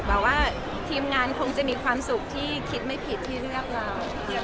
แต่ว่าทีมงานคงจะมีความสุขที่คิดไม่ผิดที่เลือกเรา